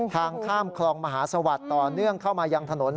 ข้ามคลองมหาสวัสดิ์ต่อเนื่องเข้ามายังถนน